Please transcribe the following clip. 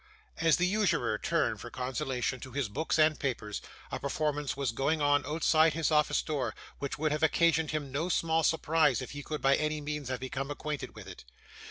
As the usurer turned for consolation to his books and papers, a performance was going on outside his office door, which would have occasioned him no small surprise, if he could by any means have become acquainted with it.